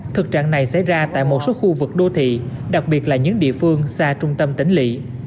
thực trạng này xảy ra tại một số khu vực đô thị đặc biệt là những địa phương xa trung tâm tỉnh lị